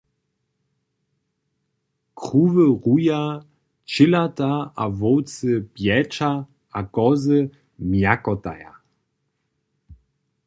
Kruwy ruja, ćelata a wowcy bječa a kozy mjakotaja.